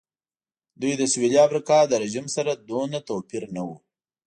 دوی د سوېلي افریقا له رژیم سره دومره توپیر نه و.